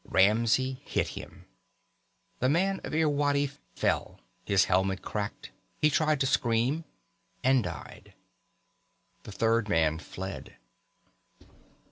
Ramsey hit him. The man of Irwadi fell, his helmet cracked, he tried to scream and died. The third man fled.